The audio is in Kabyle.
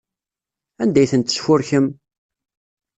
Anda ay ten-tesfurkem?